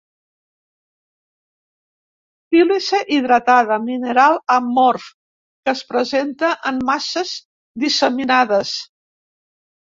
Sílice hidratada, mineral amorf que es presenta en masses disseminades.